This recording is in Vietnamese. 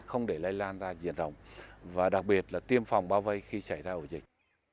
không để lây lan ra diện rộng và đặc biệt là tiêm phòng bao vây khi xảy ra ổ dịch